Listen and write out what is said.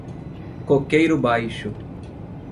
Coqueiro Baixo